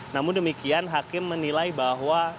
namun demikian hakim menilai bahwa